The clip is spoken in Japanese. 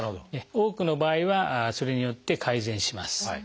多くの場合はそれによって改善します。